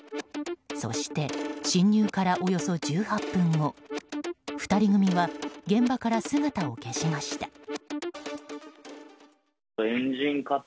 そして侵入からおよそ１８分後２人組は現場から姿を消しました。